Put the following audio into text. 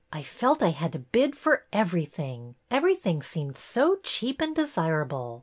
I felt I had to bid for everything. Everything seemed so cheap and desirable!